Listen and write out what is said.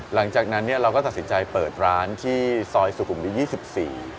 หลังจากนั้นเราก็ตัดสินใจเปิดร้านที่ซอยสุขุมที่๒๔